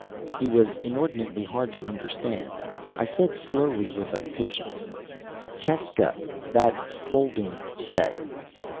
He was inordinately hard to understand. I said, slowly and with patience, "Keska that 'holding' say?"